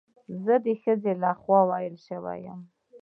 زه د ښځې له خوا ووهل شوم